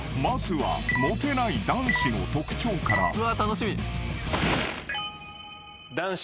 ［まずはモテない男子の特徴から］